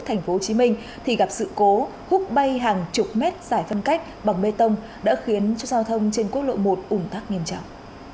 thành phố hồ chí minh thì gặp sự cố hút bay hàng chục mét giải phân cách bằng bê tông đã khiến cho giao thông trên quốc lộ một ủn tắc nghiêm trọng